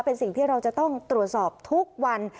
เป็นสิ่งที่เราจะต้องตรวจสอบทุกวัน